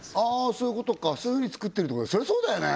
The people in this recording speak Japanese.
そういうことかそういうふうにつくってるってそりゃそうだよね